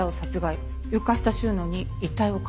床下収納に遺体を隠した。